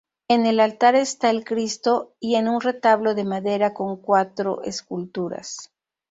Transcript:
En el altar está el Cristo y un retablo de madera con cuatro esculturas.